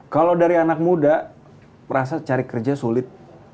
kalau dari anak muda merasa cari kerja sulit